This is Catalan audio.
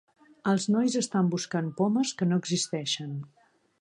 Els nois estan buscant pomes que no existeixen.